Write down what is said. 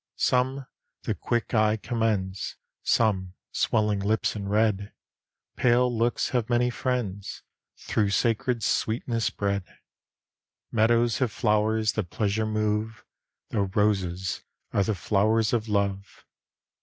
Some, the quicke eye commends; Some, swelling lips and red; Pale lookes have many friends, Through sacred sweetnesse bred. Medowes have flowres that pleasure move, Though Roses are the flowres of love.